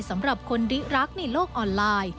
สำหรับคนที่รักในโลกออนไลน์